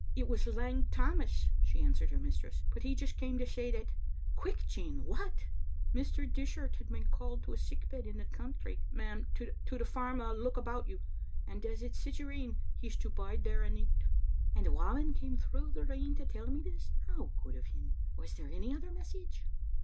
"It was Lang Tammas," she answered her mistress; " but he just came to say that " "Quick, Jean! what?" " Mr. Dishart has been called to a sick bed in the country, ma'am — to the farm o' Look About You ; and as it's sic a rain, he's to bide there a' nicht," " And Whamond came through that rain to tell me this? How good of him. Was there any other mes sage?"